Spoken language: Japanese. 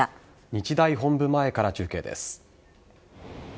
日大本部前から中継です。